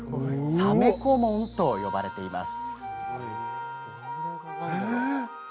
鮫小紋と呼ばれています。